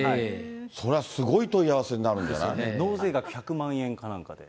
そりゃ、すごい問い合わせになる納税額１００万円かなんかで。